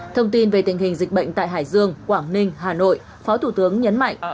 thông tin về tình hình dịch bệnh tại hải dương quảng ninh hà nội phó thủ tướng nhấn mạnh